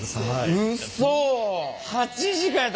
うそ？